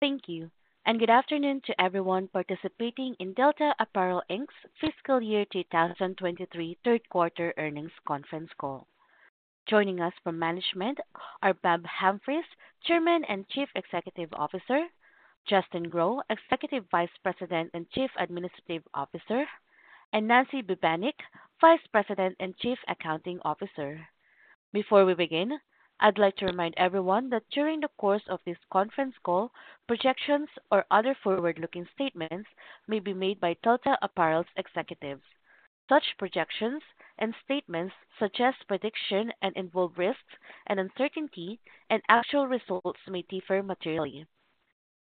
Thank you. Good afternoon to everyone participating in Delta Apparel Inc's fiscal year 2023 third quarter earnings conference call. Joining us from management are Bob Humphreys, Chairman and Chief Executive Officer, Justin Grow, Executive Vice President and Chief Administrative Officer, and Nancy Bubanich, Vice President and Chief Accounting Officer. Before we begin, I'd like to remind everyone that during the course of this conference call, projections or other forward-looking statements may be made by Delta Apparel's executives. Such projections and statements suggest prediction and involve risks and uncertainty. Actual results may differ materially.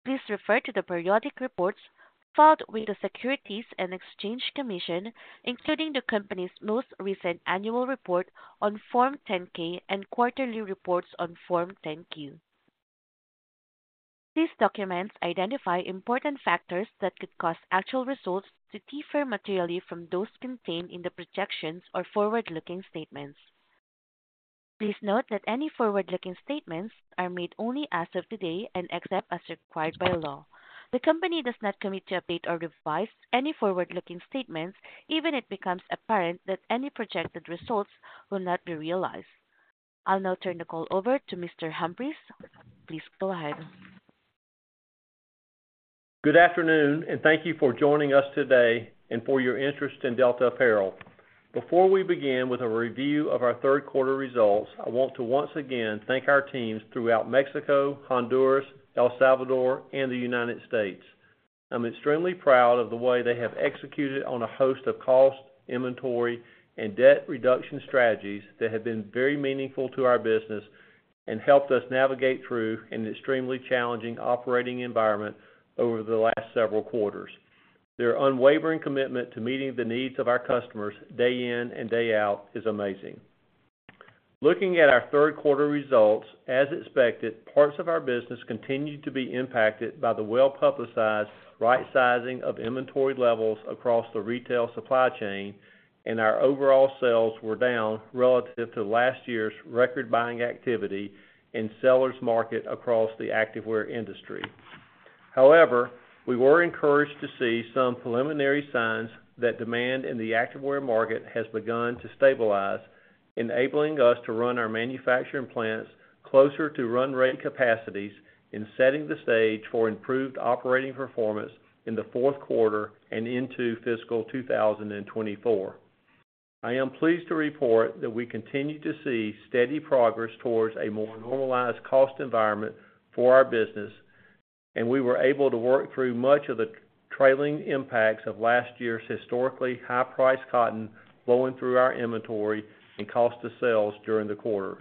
Please refer to the periodic reports filed with the Securities and Exchange Commission, including the company's most recent annual report on Form 10-K and quarterly reports on Form 10-Q. These documents identify important factors that could cause actual results to differ materially from those contained in the projections or forward-looking statements. Please note that any forward-looking statements are made only as of today and except as required by law. The company does not commit to update or revise any forward-looking statements, even if it becomes apparent that any projected results will not be realized. I'll now turn the call over to Mr. Humphreys. Please go ahead. Good afternoon. Thank you for joining us today and for your interest in Delta Apparel. Before we begin with a review of our third quarter results, I want to once again thank our teams throughout Mexico, Honduras, El Salvador, and the United States. I'm extremely proud of the way they have executed on a host of cost, inventory, and debt reduction strategies that have been very meaningful to our business and helped us navigate through an extremely challenging operating environment over the last several quarters. Their unwavering commitment to meeting the needs of our customers day in and day out is amazing. Looking at our third quarter results, as expected, parts of our business continued to be impacted by the well-publicized right sizing of inventory levels across the retail supply chain, and our overall sales were down relative to last year's record buying activity in sellers market across the activewear industry. However, we were encouraged to see some preliminary signs that demand in the activewear market has begun to stabilize, enabling us to run our manufacturing plants closer to run rate capacities in setting the stage for improved operating performance in the fourth quarter and into fiscal 2024. I am pleased to report that we continue to see steady progress towards a more normalized cost environment for our business, and we were able to work through much of the trailing impacts of last year's historically high-priced cotton flowing through our inventory and cost of sales during the quarter.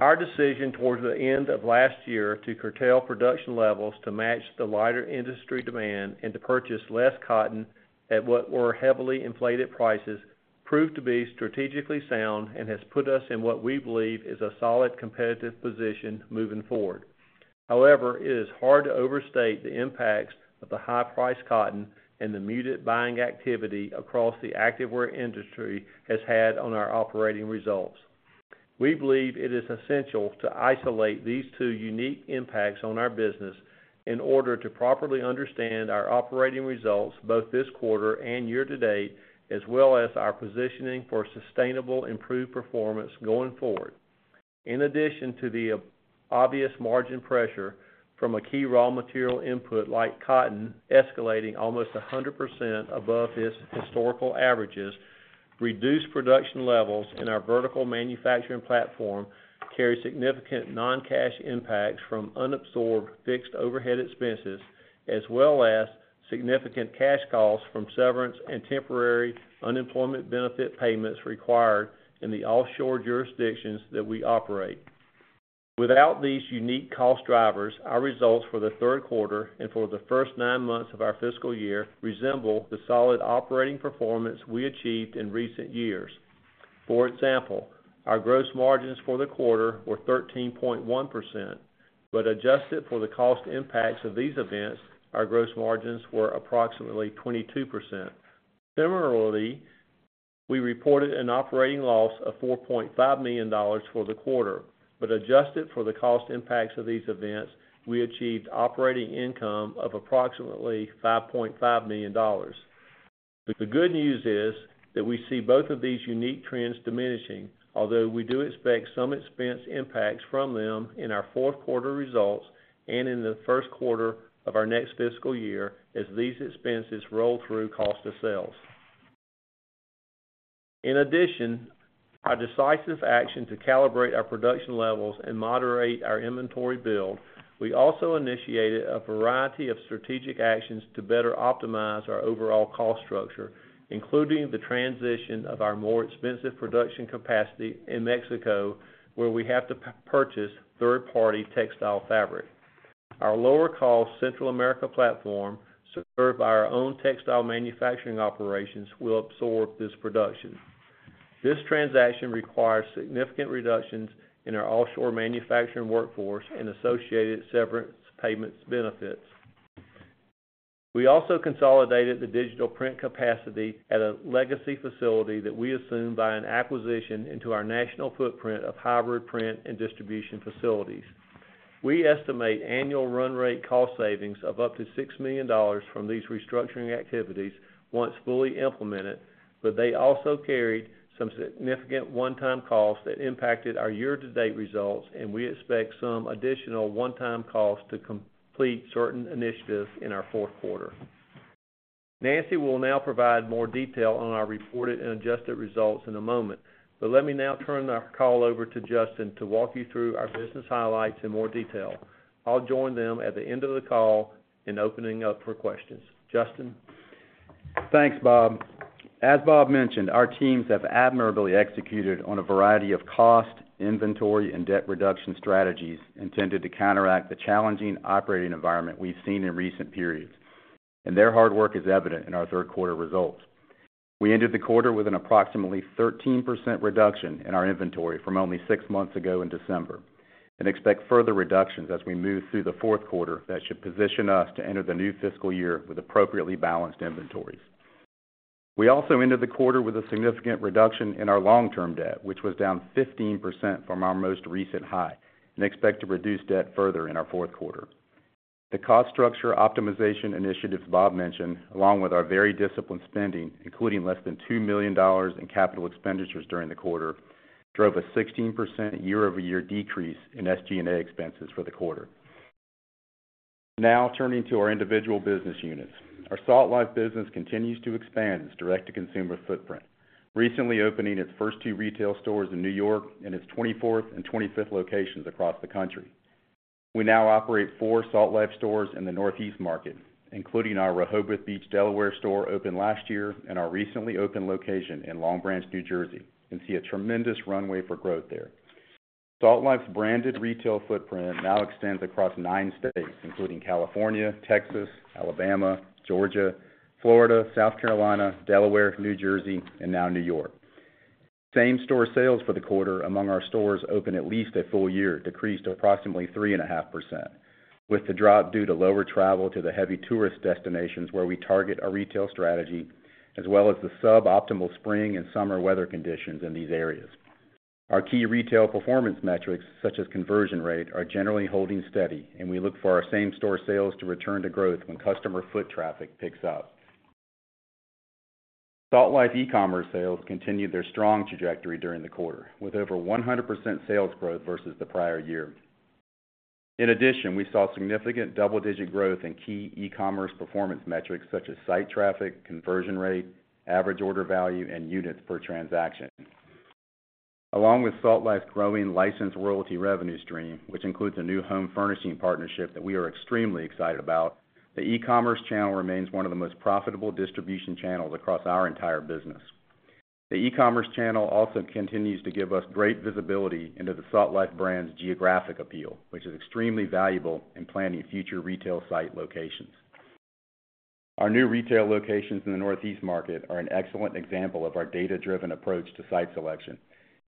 Our decision towards the end of last year to curtail production levels to match the lighter industry demand and to purchase less cotton at what were heavily inflated prices, proved to be strategically sound and has put us in what we believe is a solid competitive position moving forward. However, it is hard to overstate the impacts of the high-priced cotton and the muted buying activity across the activewear industry has had on our operating results. We believe it is essential to isolate these two unique impacts on our business in order to properly understand our operating results, both this quarter and year to date, as well as our positioning for sustainable, improved performance going forward. In addition to the obvious margin pressure from a key raw material input like cotton escalating almost 100% above its historical averages, reduced production levels in our vertical manufacturing platform carry significant non-cash impacts from unabsorbed fixed overhead expenses, as well as significant cash costs from severance and temporary unemployment benefit payments required in the offshore jurisdictions that we operate. Without these unique cost drivers, our results for the third quarter and for the first nine months of our fiscal year resemble the solid operating performance we achieved in recent years. For example, our gross margins for the quarter were 13.1%. Adjusted for the cost impacts of these events, our gross margins were approximately 22%. Similarly, we reported an operating loss of $4.5 million for the quarter. Adjusted for the cost impacts of these events, we achieved operating income of approximately $5.5 million. The good news is that we see both of these unique trends diminishing, although we do expect some expense impacts from them in our fourth quarter results and in the first quarter of our next fiscal year, as these expenses roll through cost of sales. In addition, our decisive action to calibrate our production levels and moderate our inventory build, we also initiated a variety of strategic actions to better optimize our overall cost structure, including the transition of our more expensive production capacity in Mexico, where we have to purchase third-party textile fabric. Our lower-cost Central America platform, served by our own textile manufacturing operations, will absorb this production. This transaction requires significant reductions in our offshore manufacturing workforce and associated severance payments benefits. We also consolidated the digital print capacity at a legacy facility that we assumed by an acquisition into our national footprint of hybrid print and distribution facilities. We estimate annual run rate cost savings of up to $6 million from these restructuring activities once fully implemented. They also carried some significant one-time costs that impacted our year-to-date results, and we expect some additional one-time costs to complete certain initiatives in our fourth quarter. Nancy will now provide more detail on our reported and adjusted results in a moment. Let me now turn the call over to Justin to walk you through our business highlights in more detail. I'll join them at the end of the call in opening up for questions. Justin? Thanks, Bob. As Bob mentioned, our teams have admirably executed on a variety of cost, inventory, and debt reduction strategies intended to counteract the challenging operating environment we've seen in recent periods. Their hard work is evident in our third quarter results. We ended the quarter with an approximately 13% reduction in our inventory from only 6 months ago in December. We expect further reductions as we move through the fourth quarter that should position us to enter the new fiscal year with appropriately balanced inventories. We also ended the quarter with a significant reduction in our long-term debt, which was down 15% from our most recent high. We expect to reduce debt further in our fourth quarter. The cost structure optimization initiatives Bob mentioned, along with our very disciplined spending, including less than $2 million in capital expenditures during the quarter, drove a 16% year-over-year decrease in SG&A expenses for the quarter. Turning to our individual business units. Our Salt Life business continues to expand its direct-to-consumer footprint, recently opening its first two retail stores in New York and its 24th and 25th locations across the country. We now operate four Salt Life stores in the Northeast market, including our Rehoboth Beach, Delaware, store, opened last year, and our recently opened location in Long Branch, New Jersey, and see a tremendous runway for growth there. Salt Life's branded retail footprint now extends across nine states, including California, Texas, Alabama, Georgia, Florida, South Carolina, Delaware, New Jersey, and now New York. Same-store sales for the quarter among our stores open at least a full year decreased to approximately 3.5%, with the drop due to lower travel to the heavy tourist destinations where we target our retail strategy, as well as the suboptimal spring and summer weather conditions in these areas. Our key retail performance metrics, such as conversion rate, are generally holding steady. We look for our same-store sales to return to growth when customer foot traffic picks up. Salt Life e-commerce sales continued their strong trajectory during the quarter, with over 100% sales growth versus the prior year. In addition, we saw significant double-digit growth in key e-commerce performance metrics such as site traffic, conversion rate, average order value, and units per transaction. Along with Salt Life's growing license royalty revenue stream, which includes a new home furnishing partnership that we are extremely excited about, the e-commerce channel remains one of the most profitable distribution channels across our entire business. The e-commerce channel also continues to give us great visibility into the Salt Life brand's geographic appeal, which is extremely valuable in planning future retail site locations. Our new retail locations in the Northeast market are an excellent example of our data-driven approach to site selection.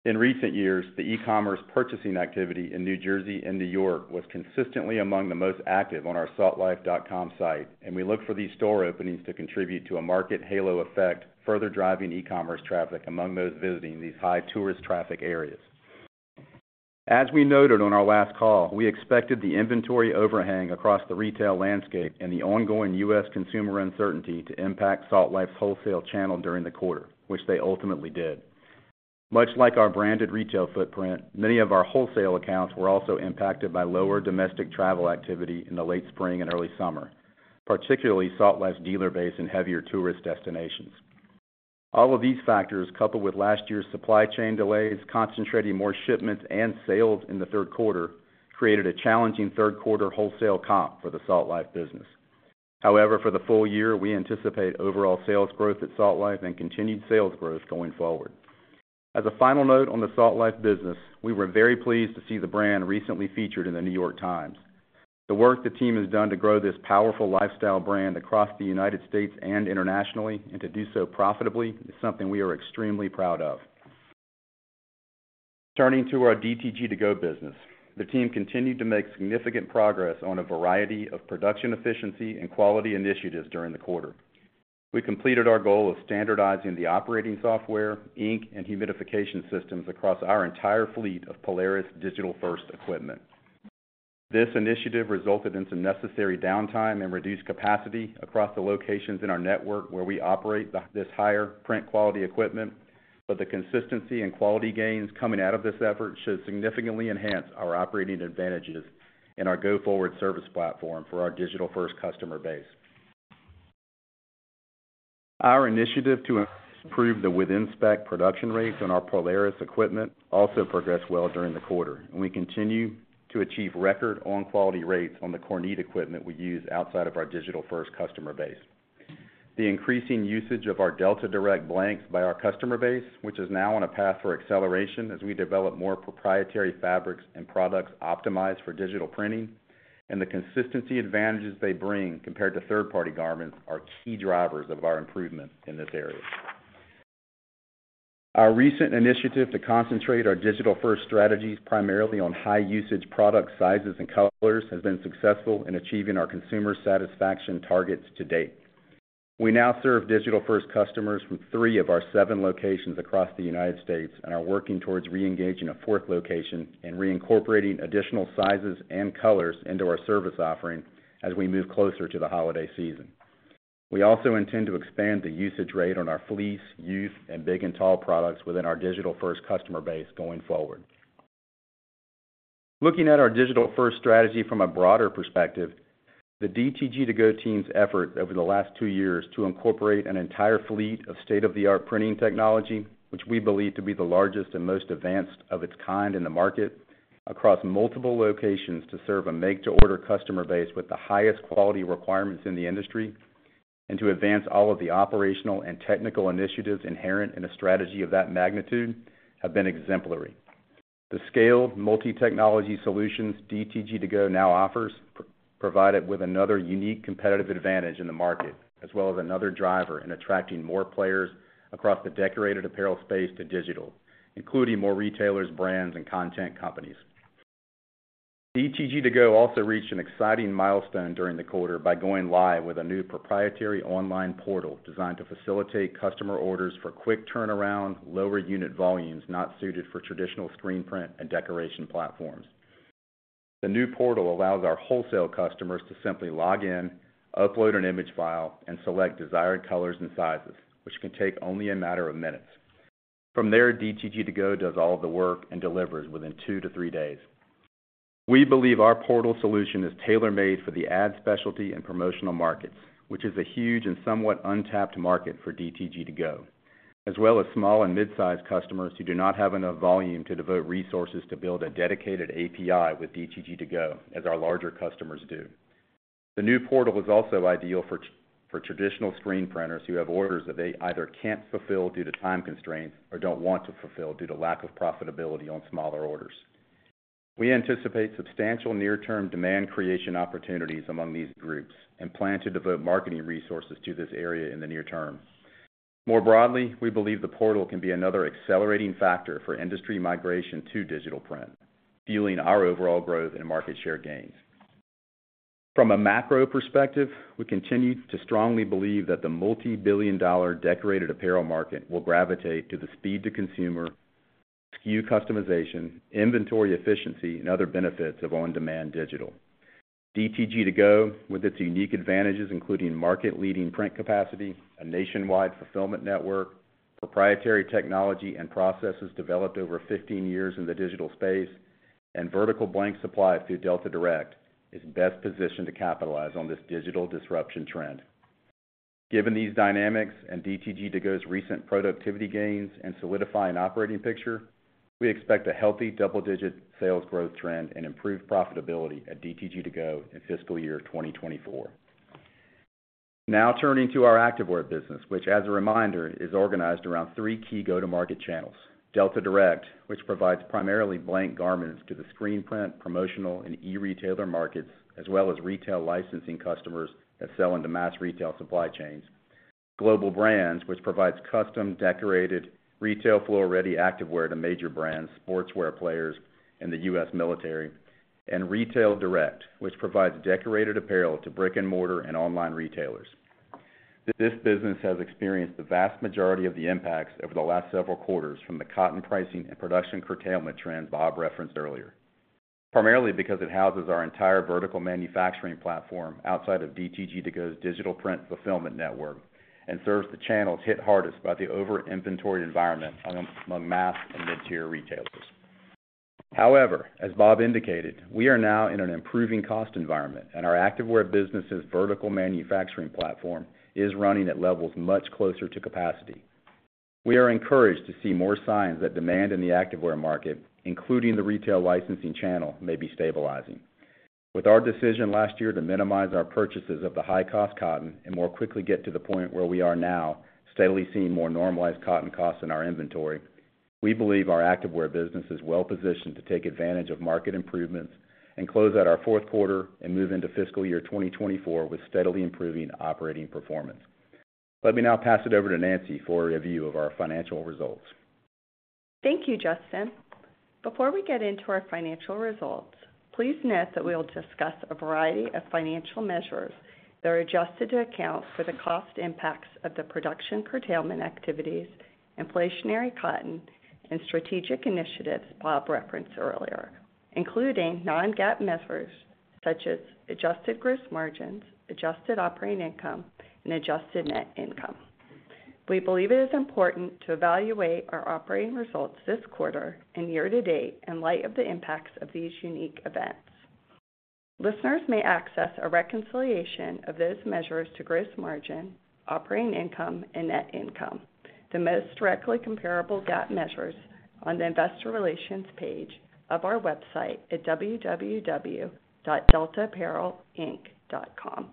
In recent years, the e-commerce purchasing activity in New Jersey and New York was consistently among the most active on our saltlife.com site, and we look for these store openings to contribute to a market halo effect, further driving e-commerce traffic among those visiting these high tourist traffic areas. As we noted on our last call, we expected the inventory overhang across the retail landscape and the ongoing U.S. consumer uncertainty to impact Salt Life's wholesale channel during the quarter, which they ultimately did. Much like our branded retail footprint, many of our wholesale accounts were also impacted by lower domestic travel activity in the late spring and early summer, particularly Salt Life's dealer base in heavier tourist destinations. All of these factors, coupled with last year's supply chain delays, concentrating more shipments and sales in the third quarter, created a challenging third quarter wholesale comp for the Salt Life business. For the full year, we anticipate overall sales growth at Salt Life and continued sales growth going forward. As a final note on the Salt Life business, we were very pleased to see the brand recently featured in The New York Times. The work the team has done to grow this powerful lifestyle brand across the United States and internationally, and to do so profitably, is something we are extremely proud of. Turning to our DTG2Go business. The team continued to make significant progress on a variety of production efficiency and quality initiatives during the quarter. We completed our goal of standardizing the operating software, ink, and humidification systems across our entire fleet of Polaris Digital First equipment. This initiative resulted in some necessary downtime and reduced capacity across the locations in our network where we operate this higher print quality equipment, but the consistency and quality gains coming out of this effort should significantly enhance our operating advantages and our go-forward service platform for our Digital First customer base. Our initiative to improve the within-spec production rates on our Polaris equipment also progressed well during the quarter, and we continue to achieve record on-quality rates on the Kornit equipment we use outside of our Digital First customer base. The increasing usage of our Delta Direct blanks by our customer base, which is now on a path for acceleration as we develop more proprietary fabrics and products optimized for digital printing, and the consistency advantages they bring compared to third-party garments, are key drivers of our improvement in this area. Our recent initiative to concentrate our Digital First strategies primarily on high-usage product sizes and colors, has been successful in achieving our consumer satisfaction targets to date. We now serve digital-first customers from 3 of our 7 locations across the United States, and are working towards re-engaging a fourth location and reincorporating additional sizes and colors into our service offering as we move closer to the holiday season. We also intend to expand the usage rate on our fleece, youth, and big and tall products within our digital-first customer base going forward. Looking at our digital-first strategy from a broader perspective, the DTG2Go team's effort over the last 2 years to incorporate an entire fleet of state-of-the-art printing technology, which we believe to be the largest and most advanced of its kind in the market, across multiple locations to serve a make-to-order customer base with the highest quality requirements in the industry, and to advance all of the operational and technical initiatives inherent in a strategy of that magnitude, have been exemplary. The scaled multi-technology solutions DTG2Go now offers, provided with another unique competitive advantage in the market, as well as another driver in attracting more players across the decorated apparel space to digital, including more retailers, brands, and content companies. DTG2Go also reached an exciting milestone during the quarter by going live with a new proprietary online portal designed to facilitate customer orders for quick turnaround, lower unit volumes not suited for traditional screen print and decoration platforms. The new portal allows our wholesale customers to simply log in, upload an image file, and select desired colors and sizes, which can take only a matter of minutes. From there, DTG2Go does all of the work and delivers within 2-3 days. We believe our portal solution is tailor-made for the ad specialty and promotional markets, which is a huge and somewhat untapped market for DTG2Go, as well as small and mid-sized customers who do not have enough volume to devote resources to build a dedicated API with DTG2Go, as our larger customers do. The new portal is also ideal for traditional screen printers who have orders that they either can't fulfill due to time constraints or don't want to fulfill due to lack of profitability on smaller orders. We anticipate substantial near-term demand creation opportunities among these groups, and plan to devote marketing resources to this area in the near term. More broadly, we believe the portal can be another accelerating factor for industry migration to digital print, fueling our overall growth and market share gains. From a macro perspective, we continue to strongly believe that the multi-billion dollar decorated apparel market will gravitate to the speed to consumer, SKU customization, inventory efficiency, and other benefits of on-demand digital. DTG2Go, with its unique advantages, including market-leading print capacity, a nationwide fulfillment network, proprietary technology and processes developed over 15 years in the digital space, and vertical blank supply through Delta Direct, is best positioned to capitalize on this digital disruption trend. Given these dynamics and DTG2Go's recent productivity gains and solidifying operating picture, we expect a healthy double-digit sales growth trend and improved profitability at DTG2Go in fiscal year 2024. Turning to our activewear business, which, as a reminder, is organized around three key go-to-market channels: Delta Direct, which provides primarily blank garments to the screen print, promotional, and e-retailer markets, as well as retail licensing customers that sell into mass retail supply chains. Global Brands, which provides custom, decorated, retail floor-ready activewear to major brands, sportswear players, and the US military. Retail Direct, which provides decorated apparel to brick-and-mortar and online retailers. This business has experienced the vast majority of the impacts over the last several quarters from the cotton pricing and production curtailment trends Bob referenced earlier, primarily because it houses our entire vertical manufacturing platform outside of DTG2Go's digital print fulfillment network and serves the channels hit hardest by the over-inventory environment among mass and mid-tier retailers. As Bob indicated, we are now in an improving cost environment, and our activewear business's vertical manufacturing platform is running at levels much closer to capacity. We are encouraged to see more signs that demand in the activewear market, including the retail licensing channel, may be stabilizing. With our decision last year to minimize our purchases of the high-cost cotton and more quickly get to the point where we are now, steadily seeing more normalized cotton costs in our inventory, we believe our activewear business is well positioned to take advantage of market improvements and close out our fourth quarter and move into fiscal year 2024 with steadily improving operating performance. Let me now pass it over to Nancy for a review of our financial results. Thank you, Justin. Before we get into our financial results, please note that we will discuss a variety of financial measures that are adjusted to account for the cost impacts of the production curtailment activities, inflationary cotton, and strategic initiatives Bob referenced earlier, including non-GAAP measures such as adjusted gross margins, adjusted operating income, and adjusted net income. We believe it is important to evaluate our operating results this quarter and year to date in light of the impacts of these unique events. Listeners may access a reconciliation of those measures to gross margin, operating income, and net income, the most directly comparable GAAP measures on the Investor Relations page of our website at www.deltaapparelinc.com.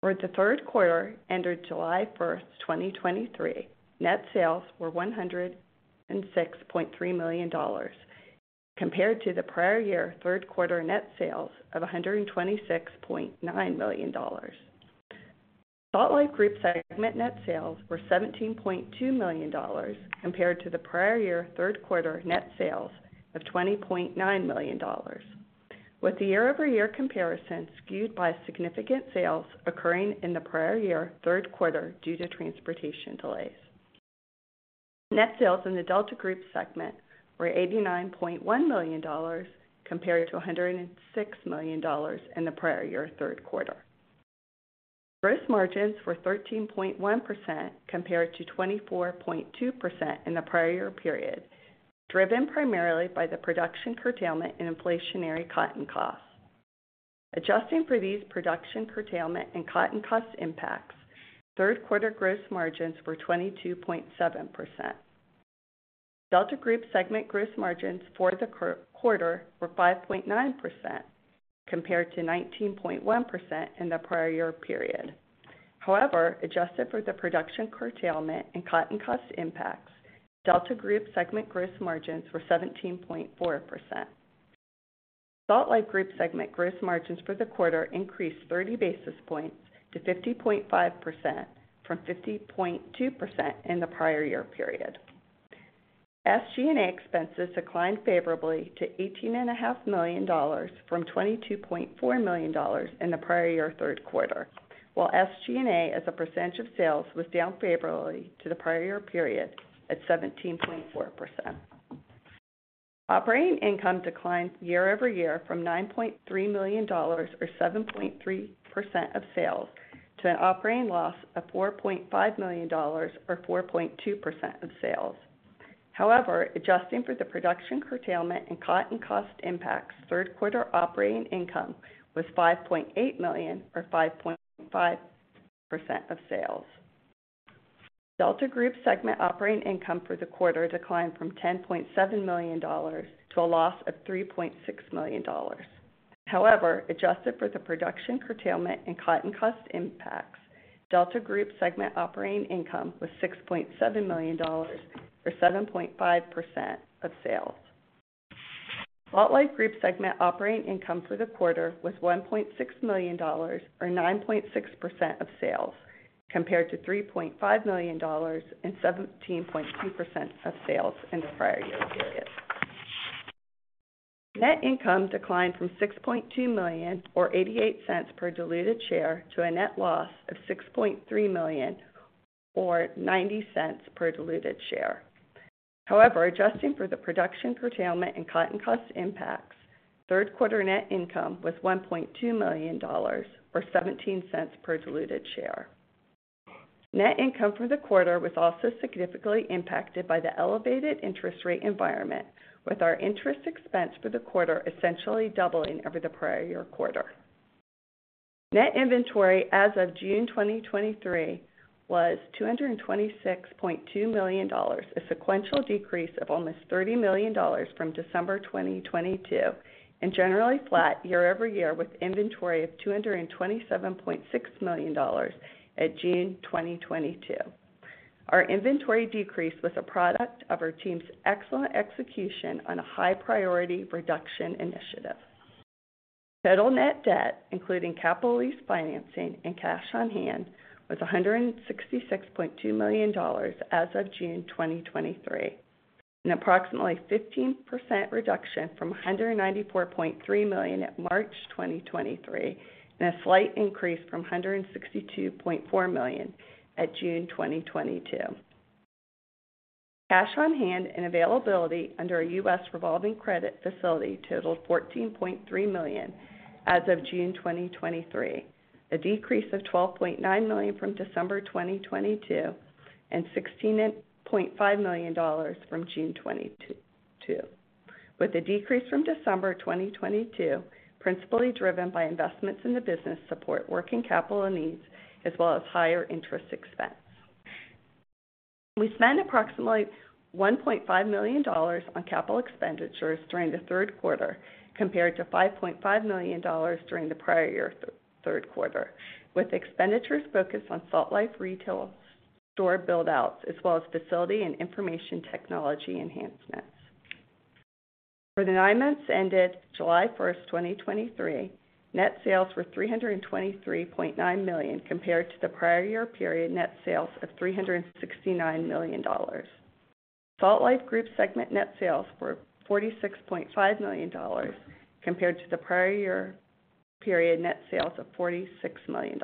For the third quarter, ended July first, 2023, net sales were $106.3 million, compared to the prior year third quarter net sales of $126.9 million. Salt Life Group segment net sales were $17.2 million compared to the prior year third quarter net sales of $20.9 million, with the year-over-year comparison skewed by significant sales occurring in the prior year third quarter due to transportation delays. Net sales in the Delta Group segment were $89.1 million, compared to $106 million in the prior year third quarter. Gross margins were 13.1% compared to 24.2% in the prior year period, driven primarily by the production curtailment and inflationary cotton costs. Adjusting for these production curtailment and cotton cost impacts, third quarter gross margins were 22.7%. Delta Group segment gross margins for the quarter were 5.9% compared to 19.1% in the prior year period. However, adjusted for the production curtailment and cotton cost impacts, Delta Group segment gross margins were 17.4%. Salt Life Group segment gross margins for the quarter increased 30 basis points to 50.5% from 50.2% in the prior year period. SG&A expenses declined favorably to $18.5 million from $22.4 million in the prior year third quarter, while SG&A, as a percentage of sales, was down favorably to the prior year period at 17.4%. Operating income declined year-over-year from $9.3 million or 7.3% of sales, to an operating loss of $4.5 million or 4.2% of sales. However, adjusting for the production curtailment and cotton cost impacts, third quarter operating income was $5.8 million or 5.5% of sales. Delta Group segment operating income for the quarter declined from $10.7 million to a loss of $3.6 million. However, adjusted for the production curtailment and cotton cost impacts, Delta Group segment operating income was $6.7 million, or 7.5% of sales. Salt Life Group segment operating income for the quarter was $1.6 million or 9.6% of sales, compared to $3.5 million and 17.2% of sales in the prior year period. Net income declined from $6.2 million or $0.88 per diluted share, to a net loss of $6.3 million or $0.90 per diluted share. Adjusting for the production curtailment and cotton cost impacts, third quarter net income was $1.2 million or $0.17 per diluted share. Net income for the quarter was also significantly impacted by the elevated interest rate environment, with our interest expense for the quarter essentially doubling over the prior year quarter. Net inventory as of June 2023 was $226.2 million, a sequential decrease of almost $30 million from December 2022, and generally flat year-over-year, with inventory of $227.6 million at June 2022. Our inventory decrease was a product of our team's excellent execution on a high priority reduction initiative. Total net debt, including capital lease financing and cash on hand, was $166.2 million as of June 2023, an approximately 15% reduction from $194.3 million at March 2023, and a slight increase from $162.4 million at June 2022. Cash on hand and availability under our U.S. revolving credit facility totaled $14.3 million as of June 2023, a decrease of $12.9 million from December 2022, and $16.5 million from June 2022. With the decrease from December 2022, principally driven by investments in the business, support working capital needs as well as higher interest expense. We spent approximately $1.5 million on capital expenditures during the third quarter, compared to $5.5 million during the prior year third quarter, with expenditures focused on Salt Life retail store buildouts, as well as facility and information technology enhancements. For the nine months ended July first, 2023, net sales were $323.9 million, compared to the prior year period net sales of $369 million. Salt Life Group segment net sales were $46.5 million, compared to the prior year period net sales of $46 million.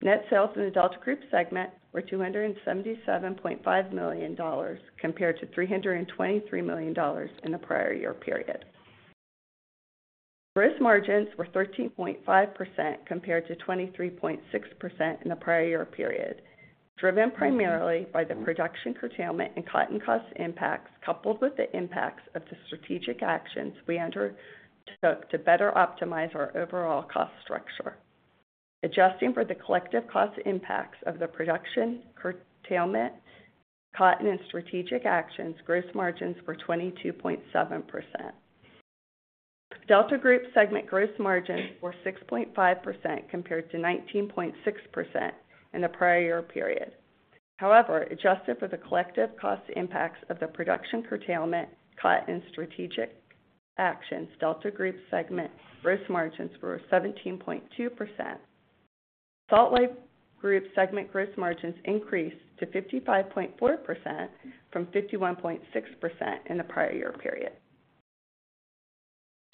Net sales in the Delta Group segment were $277.5 million compared to $323 million in the prior year period. Gross margins were 13.5% compared to 23.6% in the prior year period, driven primarily by the production curtailment and cotton cost impacts, coupled with the impacts of the strategic actions we undertook to better optimize our overall cost structure. Adjusting for the collective cost impacts of the production, curtailment, cotton, and strategic actions, gross margins were 22.7%. Delta Group segment gross margins were 6.5% compared to 19.6% in the prior year period. However, adjusted for the collective cost impacts of the production curtailment, cotton, and strategic actions, Delta Group segment gross margins were 17.2%. Salt Life Group segment gross margins increased to 55.4% from 51.6% in the prior year period.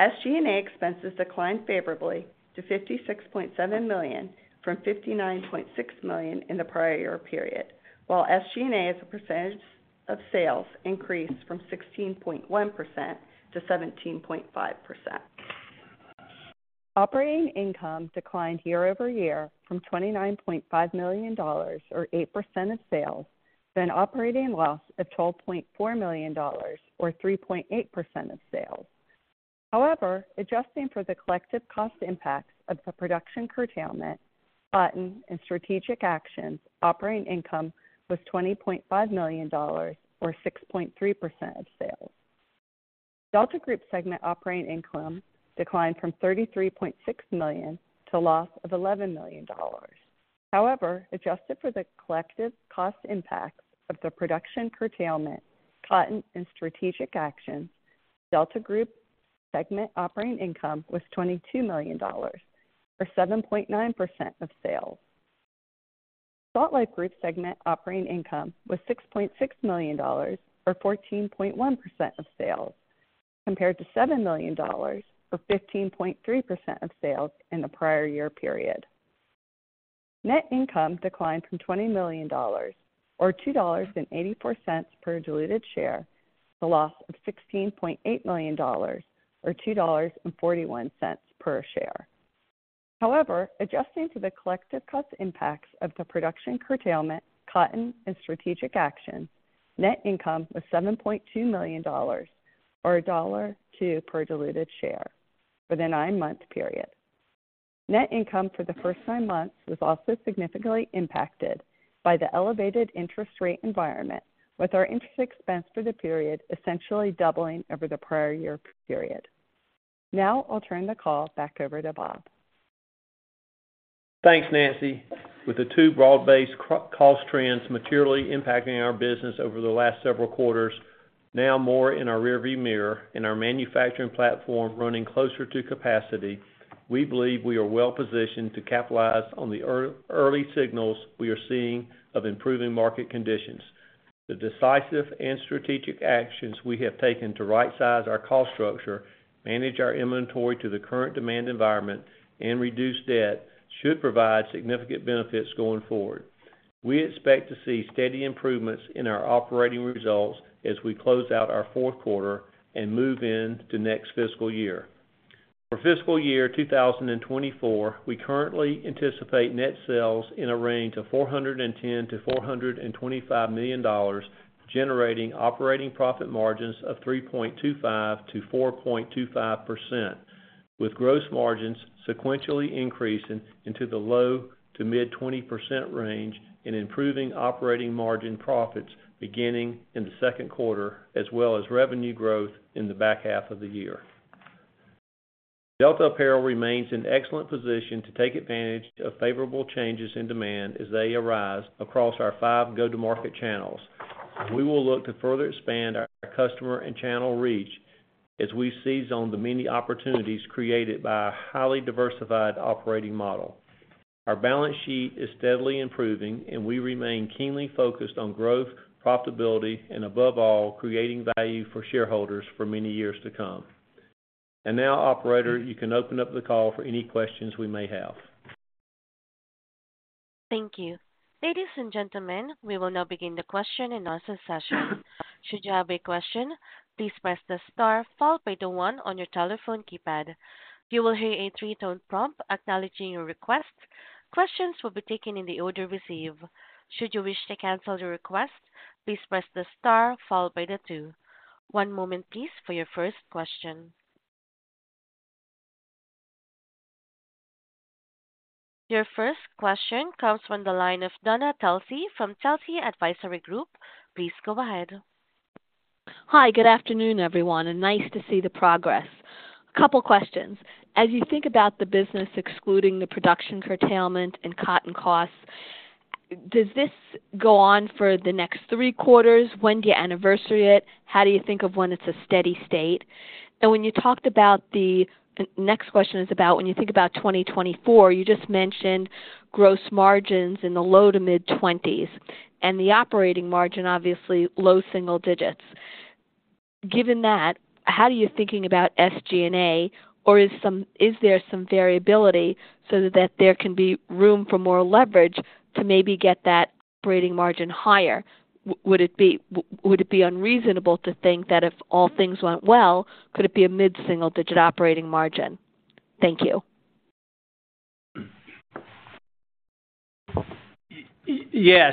SG&A expenses declined favorably to $56.7 million from $59.6 million in the prior year period, while SG&A as a percentage of sales increased from 16.1% to 17.5%. Operating income declined year-over-year from $29.5 million, or 8% of sales, to an operating loss of $12.4 million, or 3.8% of sales. However, adjusting for the collective cost impacts of the production curtailment, cotton, and strategic actions, operating income was $20.5 million, or 6.3% of sales. Delta Group segment operating income declined from $33.6 million to loss of $11 million. However, adjusted for the collective cost impacts of the production curtailment, cotton, and strategic actions, Delta Group segment operating income was $22 million, or 7.9% of sales. Salt Life Group segment operating income was $6.6 million, or 14.1% of sales, compared to $7 million, or 15.3% of sales in the prior year period. Net income declined from $20 million, or $2.84 per diluted share, to a loss of $16.8 million, or $2.41 per share. Adjusting to the collective cost impacts of the production curtailment, cotton, and strategic action, net income was $7.2 million, or $1.02 per diluted share for the 9-month period. Net income for the first 9 months was also significantly impacted by the elevated interest rate environment, with our interest expense for the period essentially doubling over the prior year period. I'll turn the call back over to Bob. Thanks, Nancy. With the two broad-based cost trends materially impacting our business over the last several quarters, now more in our rearview mirror and our manufacturing platform running closer to capacity, we believe we are well positioned to capitalize on the early signals we are seeing of improving market conditions. The decisive and strategic actions we have taken to rightsize our cost structure, manage our inventory to the current demand environment, and reduce debt should provide significant benefits going forward. We expect to see steady improvements in our operating results as we close out our fourth quarter and move into next fiscal year. For fiscal year 2024, we currently anticipate net sales in a range of $410 million-$425 million, generating operating profit margins of 3.25%-4.25%, with gross margins sequentially increasing into the low to mid-20% range and improving operating margin profits beginning in the second quarter, as well as revenue growth in the back half of the year. Delta Apparel remains in excellent position to take advantage of favorable changes in demand as they arise across our 5 go-to-market channels. We will look to further expand our customer and channel reach as we seize on the many opportunities created by a highly diversified operating model. Our balance sheet is steadily improving, and we remain keenly focused on growth, profitability, and above all, creating value for shareholders for many years to come. Now, operator, you can open up the call for any questions we may have. Thank you. Ladies and gentlemen, we will now begin the question-and-answer session. Should you have a question, please press the star followed by the 1 on your telephone keypad. You will hear a 3-tone prompt acknowledging your request. Questions will be taken in the order received. Should you wish to cancel your request, please press the star followed by the 2. 1 moment, please, for your first question. Your first question comes from the line of Dana Telsey from Telsey Advisory Group. Please go ahead. Hi, good afternoon, everyone, nice to see the progress. A couple questions. As you think about the business, excluding the production curtailment and cotton costs, does this go on for the next three quarters? When do you anniversary it? How do you think of when it's a steady state? When you talked about the... Next question is about when you think about 2024, you just mentioned gross margins in the low to mid-twenties, and the operating margin, obviously, low single digits. Given that, how are you thinking about SG&A, or is there some variability so that there can be room for more leverage to maybe get that operating margin higher? Would it be unreasonable to think that if all things went well, could it be a mid-single digit operating margin? Thank you. Yes,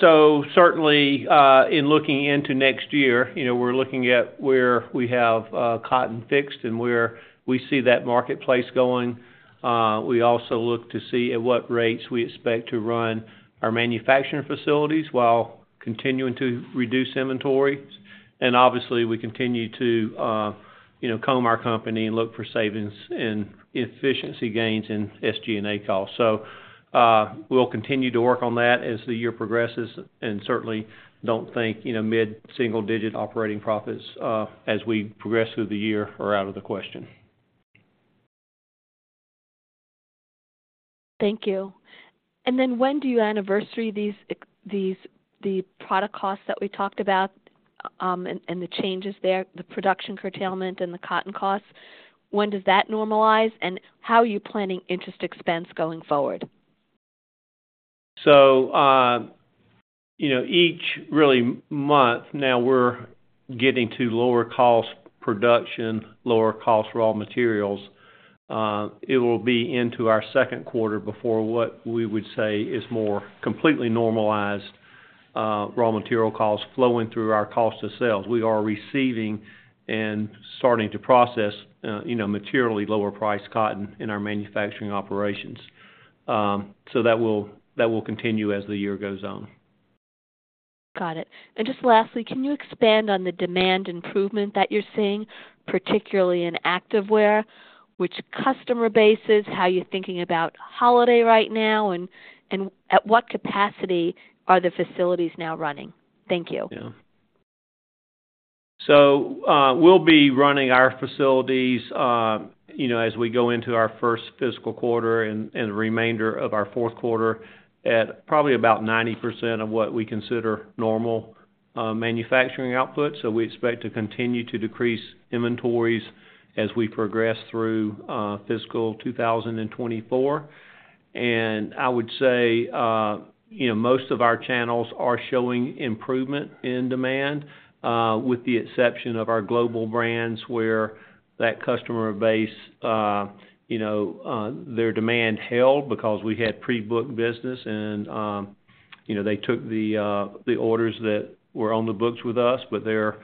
certainly, in looking into next year, you know, we're looking at where we have cotton fixed and where we see that marketplace going. We also look to see at what rates we expect to run our manufacturing facilities while continuing to reduce inventory. Obviously, we continue to, you know, comb our company and look for savings and efficiency gains in SG&A costs. We'll continue to work on that as the year progresses, and certainly don't think, you know, mid-single digit operating profits, as we progress through the year, are out of the question. Thank you. Then when do you anniversary these, the product costs that we talked about, and the changes there, the production curtailment and the cotton costs, when does that normalize? How are you planning interest expense going forward? You know, each really month now we're getting to lower cost production, lower cost raw materials. It will be into our second quarter before what we would say is more completely normalized, raw material costs flowing through our cost of sales. We are receiving and starting to process, you know, materially lower priced cotton in our manufacturing operations. That will, that will continue as the year goes on. Got it. Just lastly, can you expand on the demand improvement that you're seeing, particularly in activewear, which customer bases, how you're thinking about holiday right now, and at what capacity are the facilities now running? Thank you. Yeah. We'll be running our facilities, you know, as we go into our first fiscal quarter and the remainder of our fourth quarter at probably about 90% of what we consider normal manufacturing output. We expect to continue to decrease inventories as we progress through fiscal 2024. I would say, you know, most of our channels are showing improvement in demand, with the exception of our Global Brands, where that customer base, you know, their demand held because we had pre-booked business and, you know, they took the orders that were on the books with us. They're,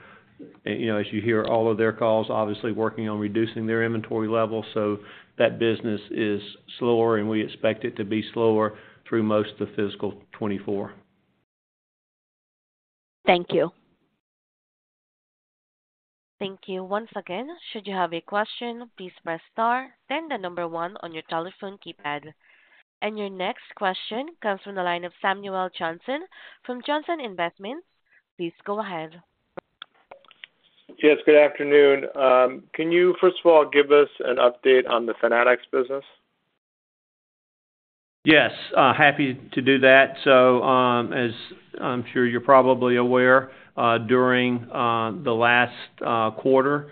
you know, as you hear all of their calls, obviously working on reducing their inventory levels, so that business is slower, and we expect it to be slower through most of the fiscal 2024. Thank you. Thank you. Once again, should you have a question, please press star, then the number one on your telephone keypad. Your next question comes from the line of Samuel Johnson from Johnson Investments. Please go ahead. Yes, good afternoon. Can you, first of all, give us an update on the Fanatics business? Yes, happy to do that. As I'm sure you're probably aware, during the last quarter,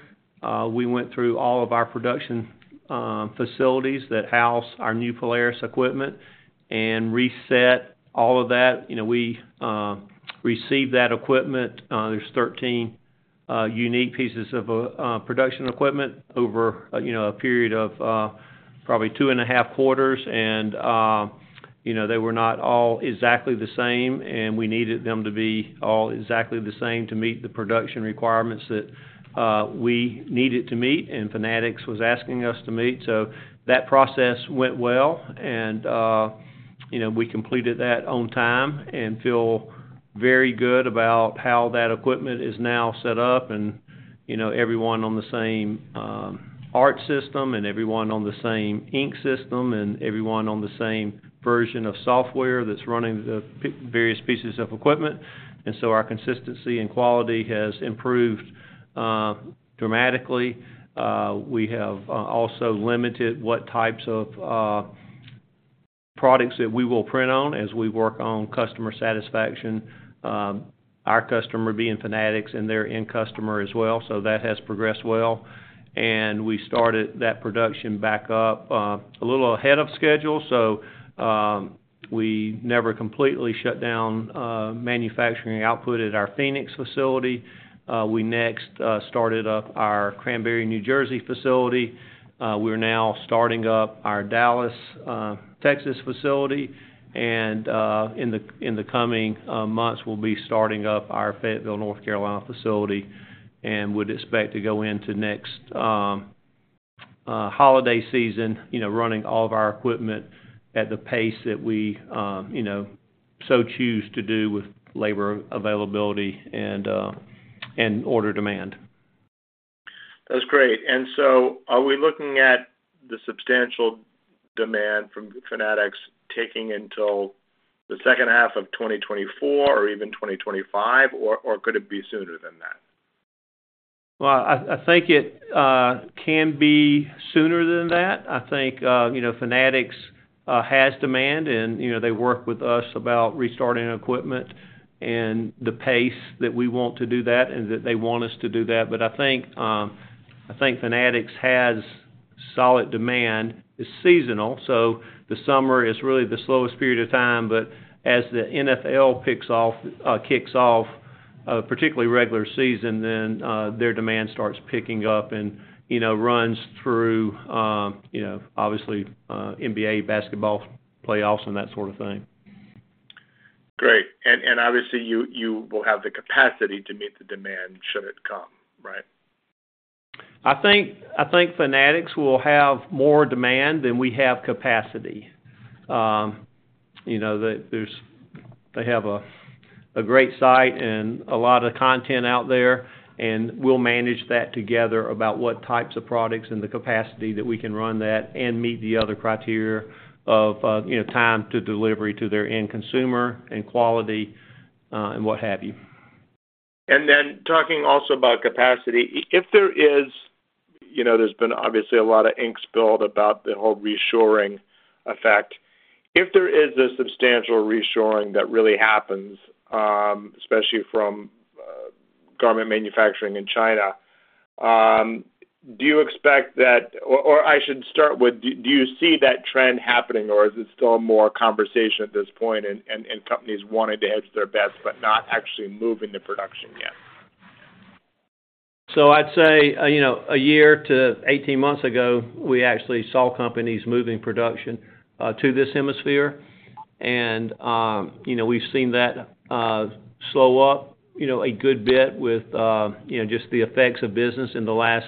we went through all of our production facilities that house our new Polaris equipment and reset all of that. You know, we received that equipment, there's 13 unique pieces of production equipment over, you know, a period of probably two and a half quarters, and, you know, they were not all exactly the same, and we needed them to be all exactly the same to meet the production requirements that we needed to meet and Fanatics was asking us to meet. That process went well, and, you know, we completed that on time and feel very good about how that equipment is now set up and, you know, everyone on the same art system and everyone on the same ink system and everyone on the same version of software that's running the various pieces of equipment. Our consistency and quality has improved dramatically. We have also limited what types of products that we will print on as we work on customer satisfaction, our customer being Fanatics and their end customer as well. That has progressed well, and we started that production back up a little ahead of schedule. We never completely shut down manufacturing output at our Phoenix facility. We next started up our Cranbury, New Jersey facility. We're now starting up our Dallas, Texas facility, and in the coming months, we'll be starting up our Fayetteville, North Carolina facility and would expect to go into next holiday season, you know, running all of our equipment at the pace that we, you know, so choose to do with labor availability and order demand. That's great. Are we looking at the substantial demand from Fanatics taking until the second half of 2024 or even 2025, or, or could it be sooner than that? Well, I, I think it can be sooner than that. I think, you know, Fanatics has demand and, you know, they work with us about restarting equipment and the pace that we want to do that and that they want us to do that. I think, I think Fanatics has solid demand. It's seasonal, so the summer is really the slowest period of time, but as the NFL picks off, kicks off, particularly regular season, then, their demand starts picking up and, you know, runs through, you know, obviously, NBA basketball playoffs and that sort of thing. Great. And obviously, you, you will have the capacity to meet the demand should it come, right? I think, I think Fanatics will have more demand than we have capacity. You know, there, they have a great site and a lot of content out there, and we'll manage that together about what types of products and the capacity that we can run that and meet the other criteria of, you know, time to delivery to their end consumer and quality, and what have you. talking also about capacity, if there is, you know, there's been obviously a lot of ink spilled about the whole reshoring effect. If there is a substantial reshoring that really happens, especially from garment manufacturing in China, or I should start with, do, do you see that trend happening, or is it still more conversation at this point and, and, and companies wanting to hedge their bets but not actually moving the production yet? I'd say, you know, a year to 18 months ago, we actually saw companies moving production to this hemisphere. You know, we've seen that slow up, you know, a good bit with, you know, just the effects of business in the last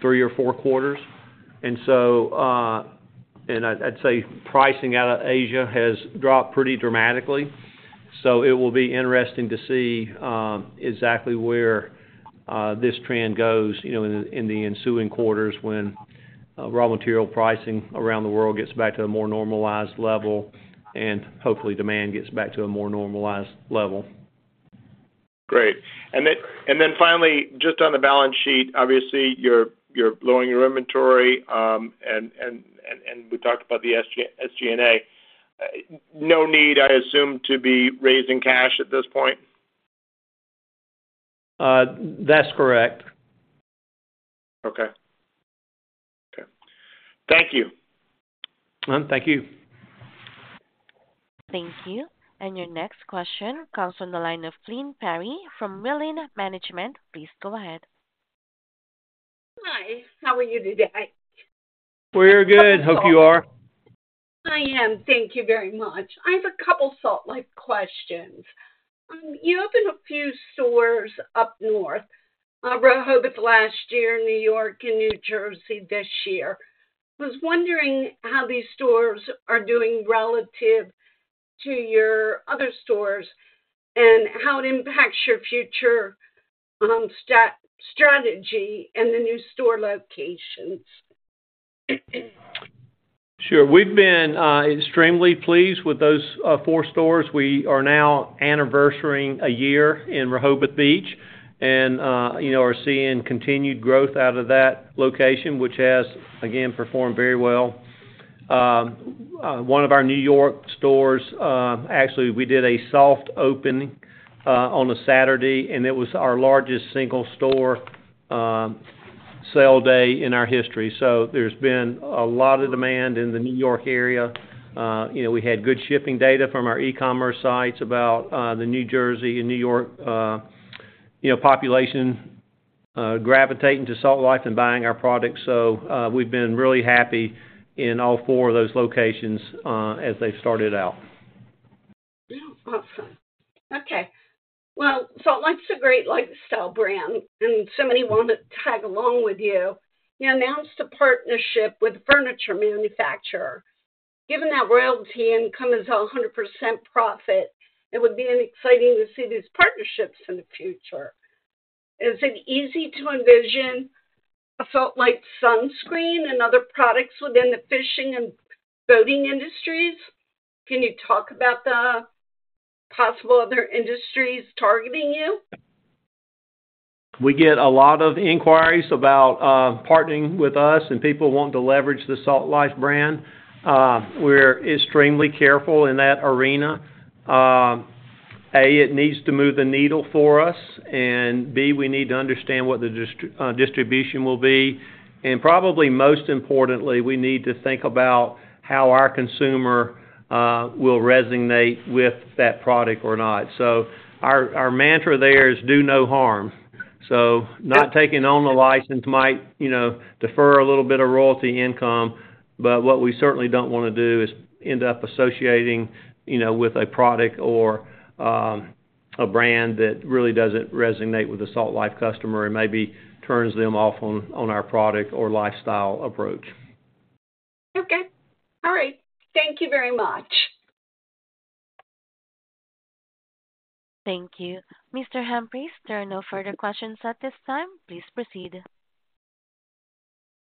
3 or 4 quarters. And I'd, I'd say pricing out of Asia has dropped pretty dramatically, so it will be interesting to see exactly where this trend goes, you know, in the, in the ensuing quarters when raw material pricing around the world gets back to a more normalized level, and hopefully, demand gets back to a more normalized level. Great. Then, and then finally, just on the balance sheet, obviously, you're, you're blowing your inventory, and we talked about the SG&A. No need, I assume, to be raising cash at this point? That's correct. Okay. Okay. Thank you. Well, thank you. Thank you. Your next question comes from the line of Flynn Perry from Wilen Management. Please go ahead. Hi, how are you today? We're good. Hope you are. I am. Thank you very much. I have a couple Salt Life questions. You opened a few stores up north, Rehoboth last year, New York and New Jersey this year. Was wondering how these stores are doing relative to your other stores, and how it impacts your future, strategy and the new store locations? Sure. We've been extremely pleased with those four stores. We are now anniversarying a year in Rehoboth Beach and, you know, are seeing continued growth out of that location, which has, again, performed very well. One of our New York stores, actually, we did a soft opening on a Saturday, and it was our largest single store sale day in our history. There's been a lot of demand in the New York area. You know, we had good shipping data from our e-commerce sites about the New Jersey and New York, you know, population gravitating to Salt Life and buying our products. We've been really happy in all four of those locations as they started out. Awesome. Okay. Well, Salt Life's a great lifestyle brand, and so many want to tag along with you. You announced a partnership with a furniture manufacturer. Given that royalty income is 100% profit, it would be exciting to see these partnerships in the future. Is it easy to envision a Salt Life sunscreen and other products within the fishing and boating industries? Can you talk about the possible other industries targeting you? We get a lot of inquiries about partnering with us and people wanting to leverage the Salt Life brand. We're extremely careful in that arena. A, it needs to move the needle for us, and B, we need to understand what the distribution will be. Probably most importantly, we need to think about how our consumer will resonate with that product or not. Our, our mantra there is do no harm. Not taking on the license might, you know, defer a little bit of royalty income, but what we certainly don't wanna do is end up associating, you know, with a product or a brand that really doesn't resonate with the Salt Life customer and maybe turns them off on, on our product or lifestyle approach. Okay. All right. Thank you very much. Thank you. Mr. Humphreys, there are no further questions at this time. Please proceed.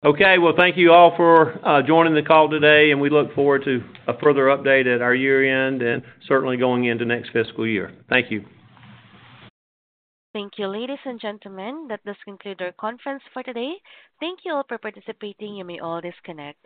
Okay. Well, thank you all for joining the call today, and we look forward to a further update at our year-end and certainly going into next fiscal year. Thank you. Thank you, ladies and gentlemen, that does conclude our conference for today. Thank you all for participating. You may all disconnect.